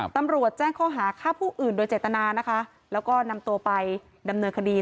ตำรวจแจ้งข้อหาฆ่าผู้อื่นโดยเจตนานะคะแล้วก็นำตัวไปดำเนินคดี